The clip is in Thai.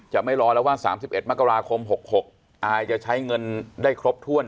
ไม่รอแล้วว่า๓๑มกราคม๖๖อายจะใช้เงินได้ครบถ้วน